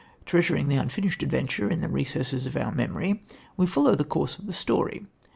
Treasuring the unfinished adventure in the recesses of our memory, we follow the course of the story.